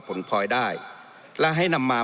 ผลพลอยได้และให้นำมา